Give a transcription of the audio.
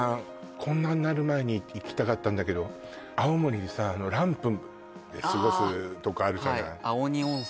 こんなになる前に行きたかったんだけど青森にさあのランプで過ごすとこあるじゃないはい青荷温泉